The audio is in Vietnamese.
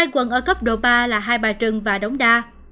hai quận ở cấp độ ba là hai bà trưng và đống đa